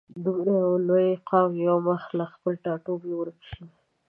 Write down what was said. دومره یو لوی قام یو مخ له خپل ټاټوبي ورک شي.